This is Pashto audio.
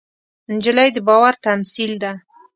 نجلۍ د باور تمثیل ده.